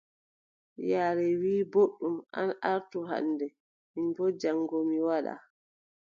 Yaare wii: booɗɗum an artu hannde, min boo jaŋgo mi waɗa.